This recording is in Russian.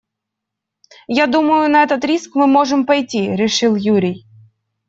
«Я думаю, на этот риск мы можем пойти», - решил Юрий.